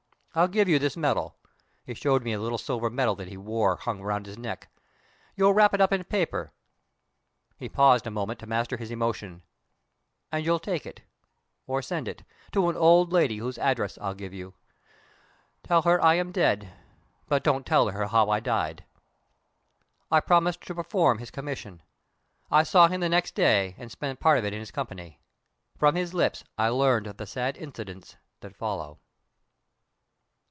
I'll give you this medal," he showed me a little silver medal that he wore hung around his neck. "You'll wrap it up in paper" he paused a moment to master his emotion "and you'll take it, or send it, to an old lady whose address I'll give you. Tell her I am dead but don't tell her how I died." I promised to perform his commission. I saw him the next day, and spent part of it in his company. From his lips I learned the sad incidents that follow.